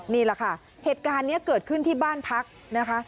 นี่แหละค่ะเหตุการณ์นี้เกิดขึ้นที่บ้านพักนะคะ